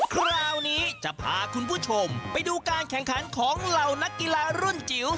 คราวนี้จะพาคุณผู้ชมไปดูการแข่งขันของเหล่านักกีฬารุ่นจิ๋ว